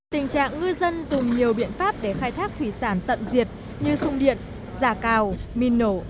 tình trạng ngư dân dùng nhiều biện pháp để khai thác thủy sản tận diệt như sung điện giả cào minh nổ